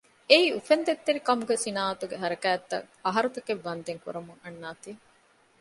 އެއީ އުފެއްދުންތެރކަމުގެ ސިނާއަތުގެ ހަރަކާތްތައް އަހަރުތަކެއް ވަންދެން ކުރަމުން އަންނާތީ